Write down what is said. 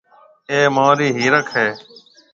اَي مهاري هيَرک هيَ۔